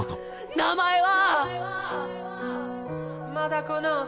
名前は！